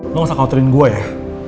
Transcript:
lo gak usah khawatirin gue ya